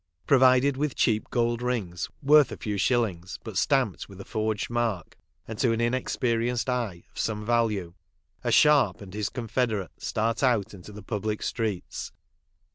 Provided with cheap gold rings, worth a few shillings, but stamped with a forged mark, and to an inexperienced eye of some value, a " sharp and his confederate start out into the public streets.